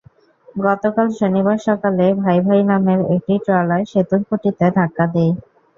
গতকাল শনিবার সকালে ভাই ভাই নামের একটি ট্রলার সেতুর খুঁটিতে ধাক্কা দেয়।